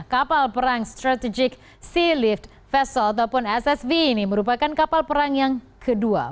kapal perang strategik sea lift vessel ataupun ssv ini merupakan kapal perang yang kedua